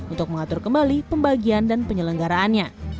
untuk mengatur kembali pembagian dan penyelenggaraannya